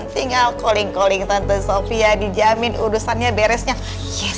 tinggal calling calling tante sofia dijamin urusannya beresnya yes